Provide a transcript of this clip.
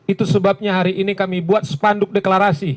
itu sebabnya hari ini kami buat spanduk deklarasi